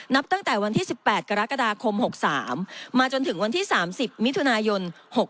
นับตั้งแต่วันที่๑๘กรกฎาคม๖๓มาจนถึงวันที่๓๐มิถุนายน๖๖